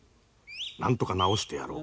なんとか治してやろう。